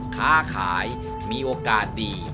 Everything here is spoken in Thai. ค้าขายมีโอกาสดี